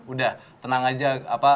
udah tenang aja